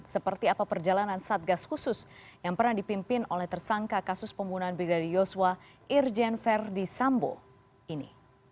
seperti apa perjalanan satgas khusus yang pernah dipimpin oleh tersangka kasus pembunuhan brigadir yosua irjen verdi sambo ini